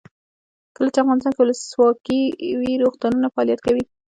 کله چې افغانستان کې ولسواکي وي روغتونونه فعالیت کوي.